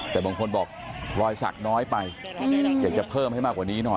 แต่บางคนบอกรอยสักน้อยไปอยากจะเพิ่มให้มากกว่านี้หน่อย